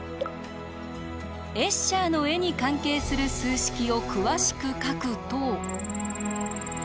エッシャーの絵に関係する数式を詳しく書くと。